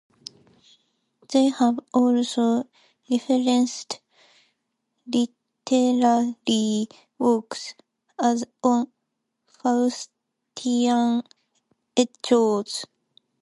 They have also referenced literary works, as on "Faustian Echoes".